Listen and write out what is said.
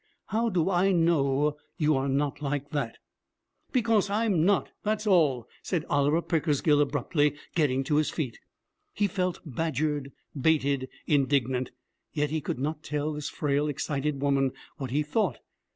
How do I know you are not like that?' 'Because I'm not, that's all!' said Oliver Pickersgill abruptly, getting to his feet. He felt badgered, baited, indignant, yet he could not tell this frail, excited woman what he thought.